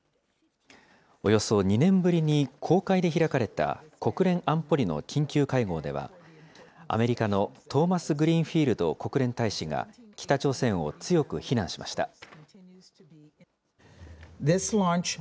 およそ２年ぶりに公開で開かれた国連安保理の緊急会合では、アメリカのトーマスグリーンフィールド国連大使が北朝鮮を強く非難しました。